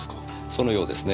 そのようですね。